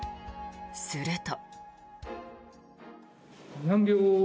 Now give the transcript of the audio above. すると。